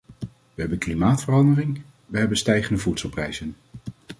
We hebben klimaatverandering, we hebben stijgende voedselprijzen.